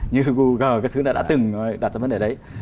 như google các thứ đã từng đặt ra vấn đề đấy